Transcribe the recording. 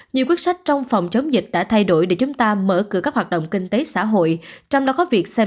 nhiều quyết sách trong phòng chống dịch đã thay đổi để chúng ta mở cửa các hoạt động kinh tế xã hội